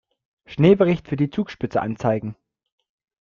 Schneebericht für die Zugspitze anzeigen.